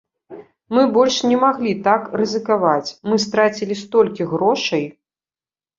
Мы больш не маглі так рызыкаваць, мы страцілі столькі грошай.